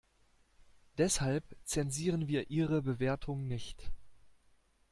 Deshalb zensieren wir ihre Bewertung nicht.